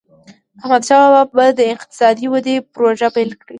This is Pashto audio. احمدشاه بابا به د اقتصادي ودي پروژي پیل کړي.